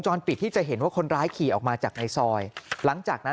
ปิดที่จะเห็นว่าคนร้ายขี่ออกมาจากในซอยหลังจากนั้น